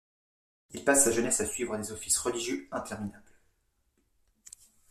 Il passe sa jeunesse à suivre des offices religieux interminables.